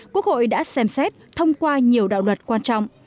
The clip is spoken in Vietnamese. quốc hội đã xem xét thông qua nhiều đạo luật quan trọng